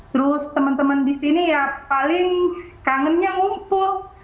terus teman teman di sini ya paling kangennya ngumpul